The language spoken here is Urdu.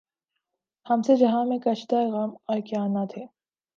ہم سے جہاں میں کشتۂ غم اور کیا نہ تھے